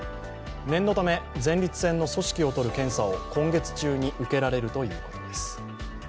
念のため前立腺の組織をとる検査を今月中に受けられるということです。